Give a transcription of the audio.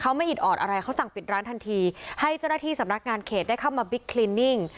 เขาไม่อิดออดอะไรเขาสั่งปิดร้านทันทีให้เจ้าหน้าที่สำนักงานเขตได้เข้ามาบิ๊กคลินิ่ง